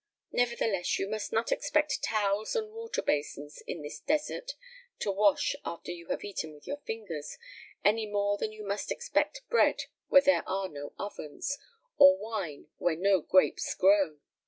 Nevertheless, you must not expect towels and water basins in the desert to wash after you have eaten with your fingers, any more than you must expect bread where there are no ovens, or wine where no grapes grow."